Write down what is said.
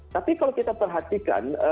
tapi kalau kita perhatikan